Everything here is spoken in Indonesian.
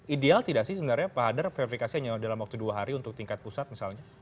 ideal tidak sih sebenarnya pak hadar verifikasi hanya dalam waktu dua hari untuk tingkat pusat misalnya